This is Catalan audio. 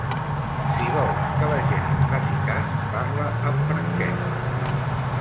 Si vols que la gent et faci cas, parla amb franquesa.